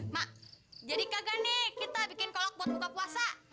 mak jadi gagal nih kita bikin kolok buat buka puasa